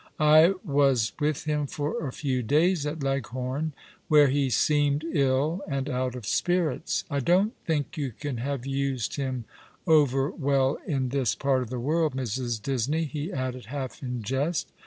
I was with him for a few days at Leghorn, where he seemed ill and out of spirits. I don't think you can have used him over well in this part of the world, Mrs. Disney," he added, half in jest.